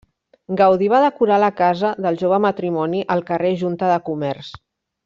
Gaudí va decorar la casa del jove matrimoni al carrer Junta de Comerç.